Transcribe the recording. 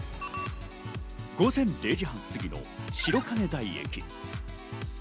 午前０時半すぎ、白金台駅。